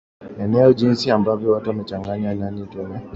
eona jinsi ambavyo watu wamechanganya nani tume imechanganya majina ya wagombea